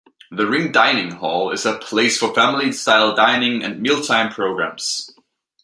The Ring Dining Hall is a place for family style dining and mealtime programs.